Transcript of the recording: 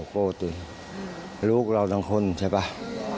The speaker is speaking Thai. ขอบคุณเจ้าไป